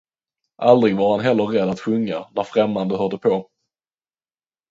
Aldrig var han heller rädd att sjunga, när främmande hörde på.